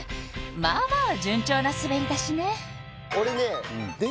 まあまあ順調な滑り出しね